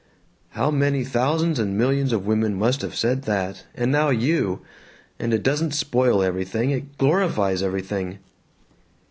"How many thousands and millions of women must have said that! And now you! And it doesn't spoil everything. It glorifies everything."